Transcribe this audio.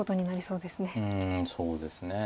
そうですね。